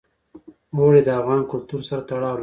اوړي د افغان کلتور سره تړاو لري.